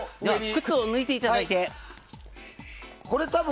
靴を脱いでいただいて。